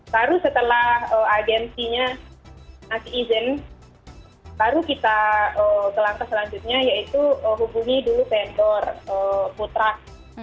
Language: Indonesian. baru setelah agensinya isin baru kita ke langkah selanjutnya yaitu hubungi dulu vendor futrak